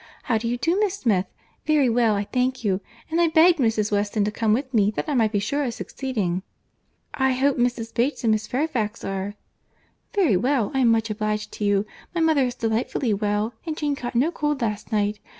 How do you do, Miss Smith?—Very well I thank you.—And I begged Mrs. Weston to come with me, that I might be sure of succeeding." "I hope Mrs. Bates and Miss Fairfax are—" "Very well, I am much obliged to you. My mother is delightfully well; and Jane caught no cold last night.